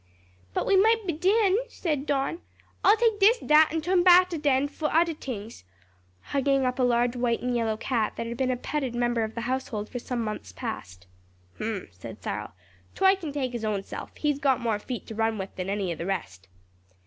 "But we might bedin," said Don. "I'll take dis tat and tum back aden for other tings," hugging up a large white and yellow cat that had been a petted member of the household for some months past. "H'm!" said Cyril, "Toy can take his own self; he's got more feet to run with than any of the rest."